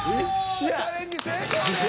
チャレンジ成功です。